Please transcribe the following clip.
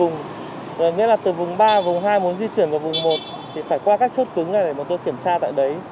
nghĩa là từ vùng ba vùng hai muốn di chuyển vào vùng một thì phải qua các chốt cứng này để mà tôi kiểm tra tại đấy